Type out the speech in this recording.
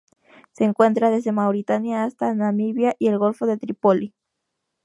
Se encuentra desde Mauritania hasta Namibia y en el Golfo de Trípoli.